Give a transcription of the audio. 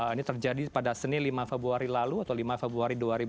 ini terjadi pada senin lima februari lalu atau lima februari dua ribu dua puluh